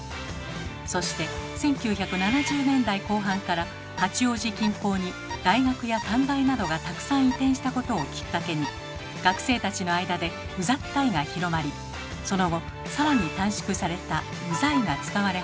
そして１９７０年代後半から八王子近郊に大学や短大などがたくさん移転したことをきっかけに学生たちの間で「うざったい」が広まりその後さらに短縮された「うざい」が使われ始めます。